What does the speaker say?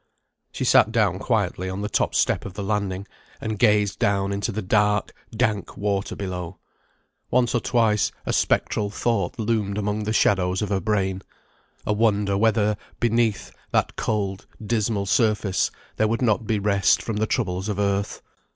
She sat down quietly on the top step of the landing, and gazed down into the dark, dank water below. Once or twice a spectral thought loomed among the shadows of her brain; a wonder whether beneath that cold dismal surface there would not be rest from the troubles of earth.